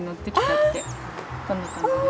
こんな感じで。